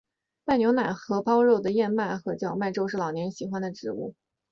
带牛奶和狍肉的燕麦和荞麦粥是老年人喜欢的食物。